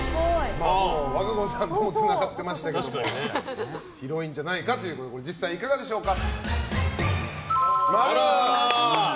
和歌子さんともつながってましたけど広いんじゃないかということですが実際はいかがですか。